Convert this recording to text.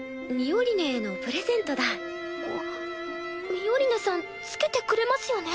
ミオリネさん付けてくれますよね？